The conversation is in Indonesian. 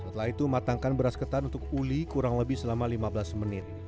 setelah itu matangkan beras ketan untuk uli kurang lebih selama lima belas menit